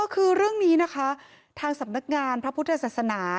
คือเรื่องนี้นะคะทางสำนักงานพระพุทธศาสนา